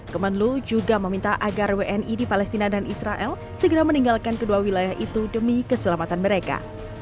kemenlu juga meminta agar wni di palestina dan israel segera meninggalkan kedua wilayah itu demi keselamatan mereka